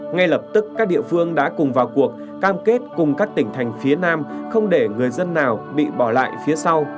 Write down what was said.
ngay lập tức các địa phương đã cùng vào cuộc cam kết cùng các tỉnh thành phía nam không để người dân nào bị bỏ lại phía sau